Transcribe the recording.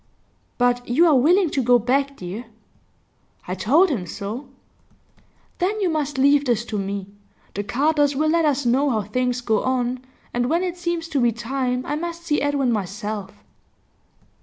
'But you are willing to go back, dear?' 'I told him so.' 'Then you must leave this to me. The Carters will let us know how things go on, and when it seems to be time I must see Edwin myself.